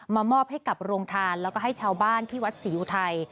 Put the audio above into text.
มอบให้กับโรงทานแล้วก็ให้ชาวบ้านที่วัดศรีอุทัย